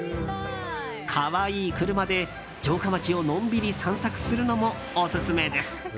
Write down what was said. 可愛い車で城下町をのんびり散策するのもオススメです。